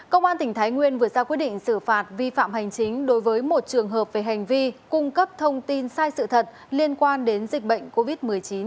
công an tỉnh thái nguyên vừa ra quyết định xử phạt vi phạm hành chính đối với một trường hợp về hành vi cung cấp thông tin sai sự thật liên quan đến dịch bệnh covid một mươi chín